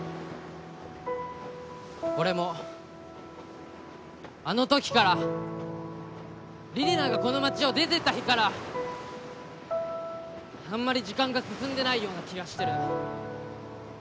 俺もあの時から李里奈がこの街を出てった日からあんまり時間が進んでないような気がしてる。